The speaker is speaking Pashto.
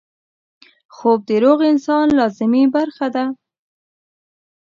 خوب د روغ انسان لازمي برخه ده